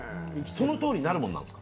そのとおりになるもんですか。